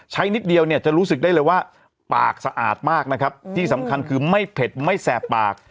นิดเดียวเนี่ยจะรู้สึกได้เลยว่าปากสะอาดมากนะครับที่สำคัญคือไม่เผ็ดไม่แสบปาก